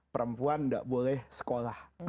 perempuan tidak boleh sekolah